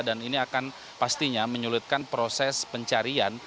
dan ini akan pastinya menyulitkan proses pencarian